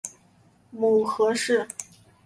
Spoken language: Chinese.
母何氏。